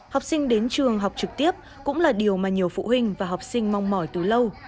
học sinh đến trường học trực tiếp cũng là điều mà nhiều phụ huynh và học sinh mong mỏi từ lâu